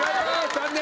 残念！